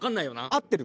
合ってる？